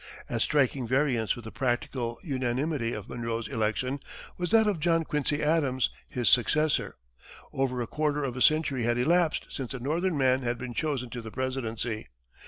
At striking variance with the practical unanimity of Monroe's election was that of John Quincy Adams, his successor. Over a quarter of a century had elapsed since a northern man had been chosen to the presidency.